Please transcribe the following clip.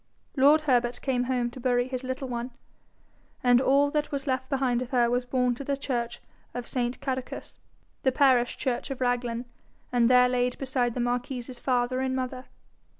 Lord Herbert came home to bury his little one, and all that was left behind of her was borne to the church of St. Cadocus, the parish church of Raglan, and there laid beside the marquis's father and mother.